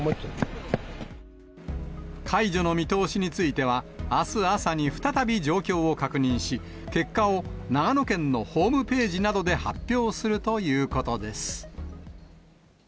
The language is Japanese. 解除の見通しについては、あす朝に再び状況を確認し、結果を長野県のホームページなどで発表するということです。